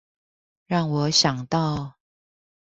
讓我想到